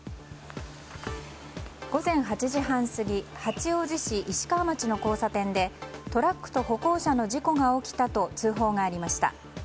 午前８時半過ぎ八王子市石川町の交差点でトラックと歩行者の事故が起きたと通報がありました。